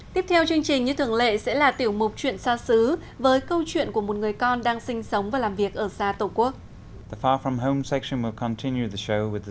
tiếp theo chương trình như thường lệ sẽ là tiểu mục chuyện xa xứ với câu chuyện của một người con đang sinh sống và làm việc ở xa tổ quốc